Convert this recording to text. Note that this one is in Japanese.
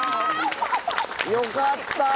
よかった。